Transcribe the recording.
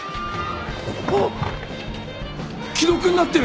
既読になってる！